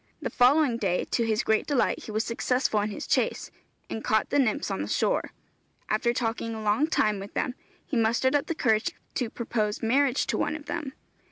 The following day, to his great delight, he was successful in his chase, and caught the nymphs on the shore. After talking a long time with them, he mustered up the courage to propose marriage to one of them.